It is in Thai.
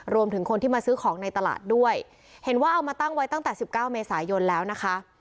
รวมถึงคนที่มาซื้อของในตลาดด้วยเห็นว่าเอามาตั้งไว้ตั้งแต่สิบเก้าเมษายนแล้วนะคะ